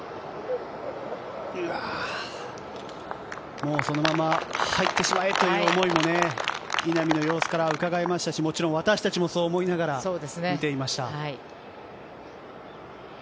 もうそのまま入ってしまえという思いのね、稲見の様子からうかがえましたし、私たちもそう思いながら見ていました。